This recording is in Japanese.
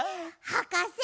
はかせ！